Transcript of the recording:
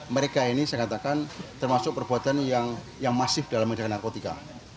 mereka ini saya katakan termasuk perbuatan yang masif dalam medan narkotika